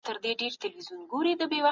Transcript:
هیڅوک نه سي کولای له مسوولیت څخه وتښتي.